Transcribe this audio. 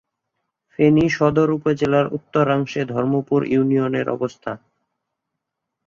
ফেনী সদর উপজেলার উত্তরাংশে ধর্মপুর ইউনিয়নের অবস্থান।